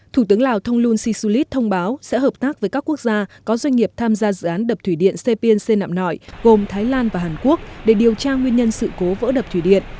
thủ tướng lào thông lun sisulis thông báo sẽ hợp tác với các quốc gia có doanh nghiệp tham gia dự án đập thủy điện cpnc nạm nội gồm thái lan và hàn quốc để điều tra nguyên nhân sự cố vỡ đập thủy điện